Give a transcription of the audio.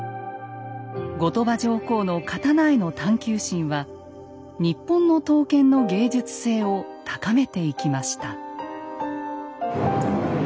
後鳥羽上皇の刀への探究心は日本の刀剣の芸術性を高めていきました。